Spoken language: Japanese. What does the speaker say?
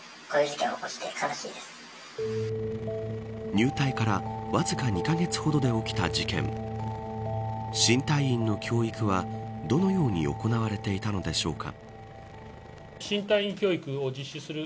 入隊からわずか２カ月ほどで起きた事件新隊員の教育はどのように行われていたのでしょうか。